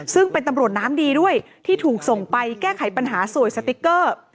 ส่วนน้ำดีด้วยที่ถูกส่งไปแก้ไขปัญหาสวยสติ๊กเกอร์